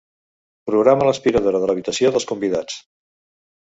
Programa l'aspiradora de l'habitació dels convidats.